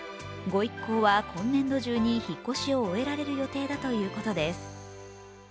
ご一家は今年度中に引っ越しを終えられる予定だということです。